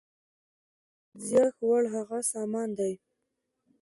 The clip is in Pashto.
تر حد زیات د ارزښت وړ هغه سامان دی